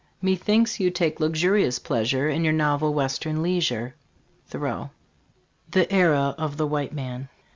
Methinks vou take luxurious pleasure In your novel western leisure. Thortan. THE ERA OF THE WHITE MAN.